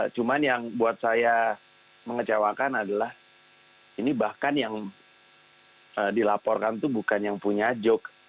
cuma yang buat saya mengecewakan adalah ini bahkan yang dilaporkan itu bukan yang punya joke